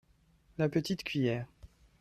La petie cuillère.